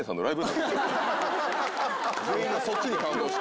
全員がそっちに感動して。